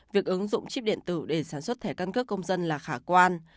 việc ứng dụng chip điện tử để sản xuất thẻ căn cước công dân là khả quan